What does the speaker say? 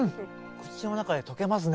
口の中で溶けますね。